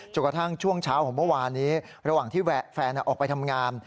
กระทั่งช่วงเช้าของเมื่อวานนี้ระหว่างที่แฟนออกไปทำงาน